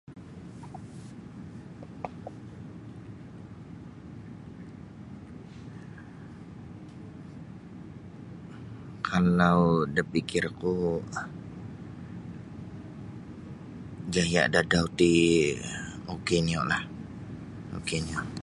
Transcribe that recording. Kalau da pikirku jaya da adau ti ok niolah ok nio .